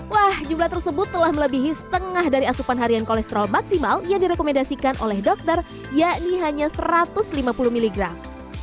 wah jumlah tersebut telah melebihi setengah dari asupan harian kolesterol maksimal yang direkomendasikan oleh dokter yakni hanya satu ratus lima puluh miligram